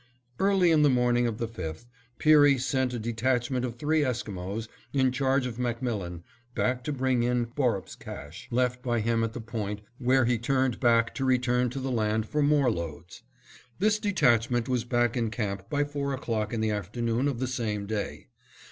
Early in the morning of the 5th, Peary sent a detachment of three Esquimos, in charge of MacMillan, back to bring in Borup's cache, left by him at the point where he turned back to return to the land for more loads. This detachment was back in camp by four o'clock in the afternoon of the same day.